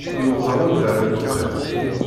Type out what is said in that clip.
Yuqa wanda ara neqqim!